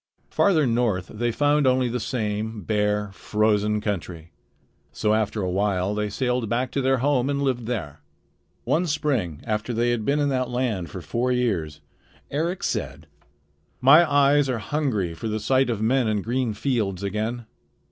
Farther north they found only the same bare, frozen country. So after a while they sailed back to their home and lived there. One spring after they had been in that land for four years, Eric said: "My eyes are hungry for the sight of men and green fields again.